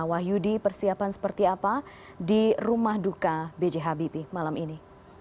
wahyudi persiapan seperti apa di rumah duka b j habibie malam ini